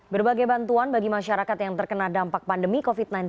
berbagai bantuan bagi masyarakat yang terkena dampak pandemi covid sembilan belas